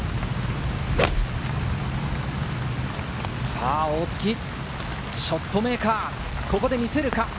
さぁ大槻、ショットメーカー、ここで見せるか？